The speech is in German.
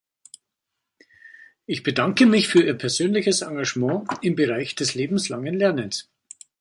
Ich bedanke mich für Ihr persönliches Engagement im Bereich des lebenslangen Lernens.